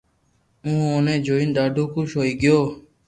ھين اوني جوئين ڌاڌو خوݾ ھوئي گيو